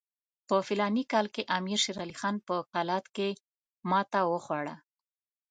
په فلاني کال کې امیر شېر علي خان په قلات کې ماته وخوړه.